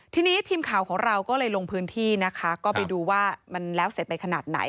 ทีนี้ทีมข่าวของเราก็ลงพื้นที่ดูว่ามันเสร็จไปขนาดไหน